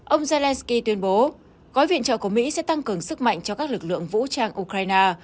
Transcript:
ông zelensky tuyên bố gói viện trợ của mỹ sẽ tăng cường sức mạnh cho các lực lượng vũ trang ukraine